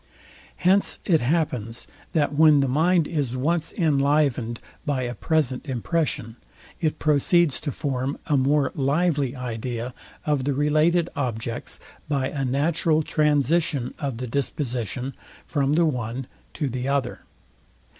Hence it happens, that when the mind is once inlivened by a present impression, it proceeds to form a more lively idea of the related objects, by a natural transition of the disposition from the one to the other.